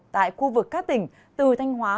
tại khu vực các tỉnh từ thanh hóa